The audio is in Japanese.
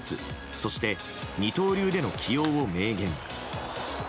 そして二刀流での起用を明言。